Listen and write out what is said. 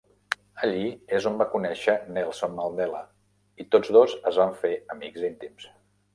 Allí és on va conèixer Nelson Mandela, i tots dos es van fer amics íntims.